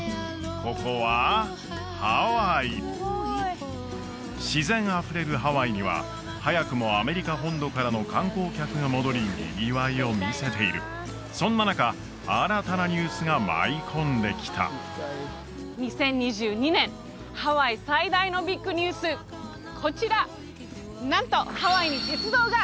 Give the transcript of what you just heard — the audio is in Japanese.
ここはハワイ自然あふれるハワイには早くもアメリカ本土からの観光客が戻りにぎわいを見せているそんな中新たなニュースが舞い込んできた２０２２年ハワイ最大のビッグニュースこちら！